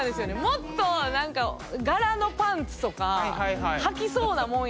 もっと何か柄のパンツとかはきそうなもんやのに。